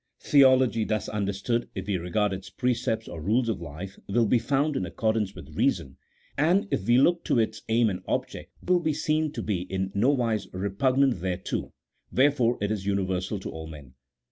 Theology thus understood, if we regard its precepts or rules of life, will be found in ac cordance with reason ; and, if we look to its aim and object, will be seen to be in nowise repugnant thereto, wherefore it is universal to all men.